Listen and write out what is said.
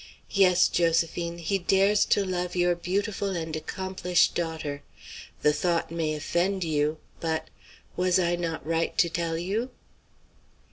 Yes, Josephine, he dares to love your beautiful and accomplished daughter! The thought may offend you, but was I not right to tell you?"